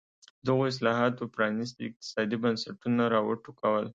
دغو اصلاحاتو پرانېستي اقتصادي بنسټونه را وټوکول.